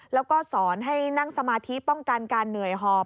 แล้วก็สอนให้นั่งสมาธิป้องกันการเหนื่อยหอบ